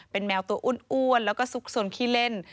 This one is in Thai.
เป็นแมวตัวอ้วนแล้วก็ซุกสนขี้เล่น